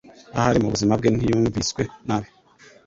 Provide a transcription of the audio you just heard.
ahari mubuzima bwe ntiyumviswe nabi